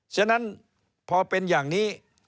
ฉะนั้นพอเป็นอย่างนี้